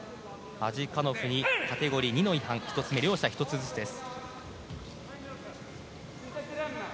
アジカノフにカテゴリー２の違反１つ目両者１つずつです。